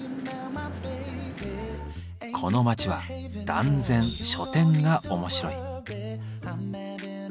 この街は断然書店が面白い。